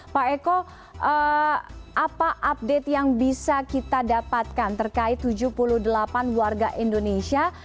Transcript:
pak eko apa update yang bisa kita dapatkan terkait tujuh puluh delapan warga indonesia